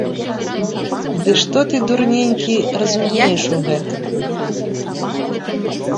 Ды што ты, дурненькі, разумееш у гэтым?